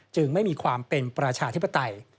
ไม่มีความเป็นประชาธิปไตย